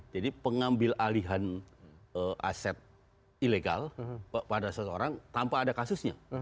jadi pengambil alihan aset ilegal pada seseorang tanpa ada kasusnya